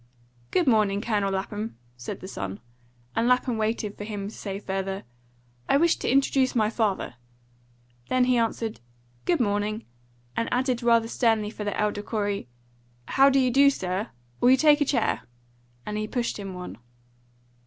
"Good morning, Colonel Lapham," said the son, and Lapham waited for him to say further, "I wish to introduce my father." Then he answered, "Good morning," and added rather sternly for the elder Corey, "How do you do, sir? Will you take a chair?" and he pushed him one.